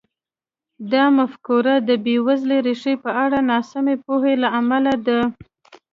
دا مفکوره د بېوزلۍ ریښې په اړه ناسمې پوهې له امله ده.